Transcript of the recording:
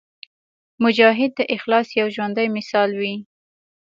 مجاهد د اخلاص یو ژوندی مثال وي.